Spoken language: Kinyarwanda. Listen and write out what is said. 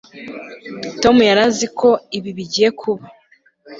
tom yari azi ko ibi bigiye kuba